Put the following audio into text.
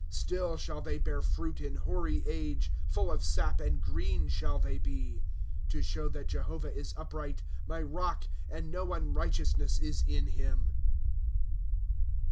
1* Still shall they bear fruit in hoary age ; Full of sap, and green shall they be. '" To show that Jehovah is upright ; My rock, and no unrighteousness is in him.